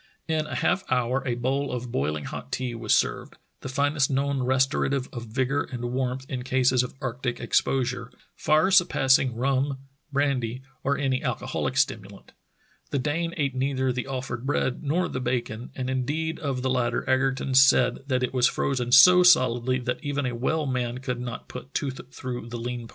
In a half hour a bowl of boiling hot tea was served, the finest known restorative of vigor and warmth in cases of arctic ex posure — far surpassing rum, brandy, or any alcoholic stimulant. The Dane ate neither the offered bread nor the bacon, and indeed of the latter Egerton said that it was frozen so solidly that even a well man could not put tooth through the lean parts.